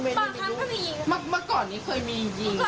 เมื่อก่อนเคยมียิง